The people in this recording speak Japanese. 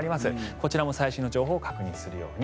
こちらも最新の情報を確認するように。